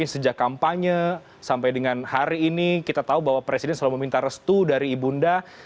sejak kampanye sampai dengan hari ini kita tahu bahwa presiden selalu meminta restu dari ibu unda